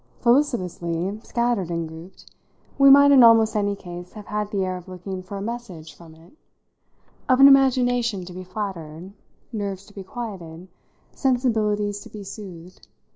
Felicitously scattered and grouped, we might in almost any case have had the air of looking for a message from it of an imagination to be flattered, nerves to be quieted, sensibilities to be soothed.